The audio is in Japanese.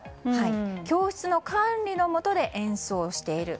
教室の管理のもとで演奏している。